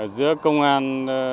giữa công an